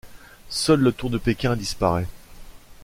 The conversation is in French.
Seul le Tour de Pékin disparaît.